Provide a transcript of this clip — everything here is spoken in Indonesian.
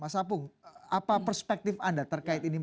mas apung apa perspektif anda terkait ini